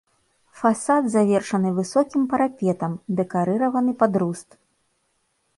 Фасад завершаны высокім парапетам, дэкарыраваны пад руст.